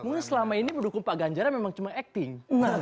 mungkin selama ini mendukung pak ganjarnya memang cuma acting